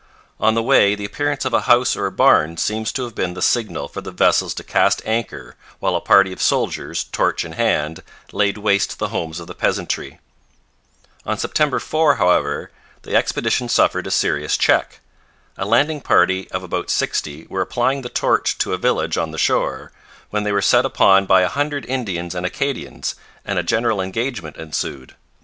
On the way the appearance of a house or a barn seems to have been the signal for the vessels to cast anchor, while a party of soldiers, torch in hand, laid waste the homes of the peasantry. On September 4, however, the expedition suffered a serious check. A landing party of about sixty were applying the torch to a village on the shore, when they were set upon by a hundred Indians and Acadians, and a general engagement ensued.